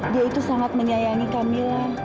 dia itu sangat menyayangi camilan